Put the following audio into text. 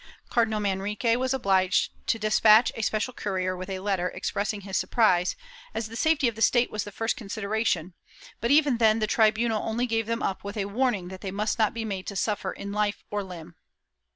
Cardinal Manrique was obliged to despatch a special courier with a letter expressing his surprise, as the safety of the state was the first consideration, but even then the tribunal only gave them up with a warning that they must not be made to suffer in life or limb.'